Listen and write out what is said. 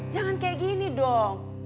jangan kayak gini dong